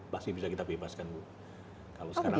pasti bisa kita bebaskan bu